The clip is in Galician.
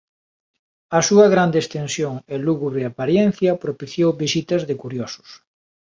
A súa grande extensión e lúgubre aparencia propiciou visitas de curiosos.